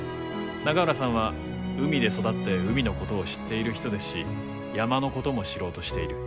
永浦さんは海で育って海のことを知っている人ですし山のことも知ろうとしている。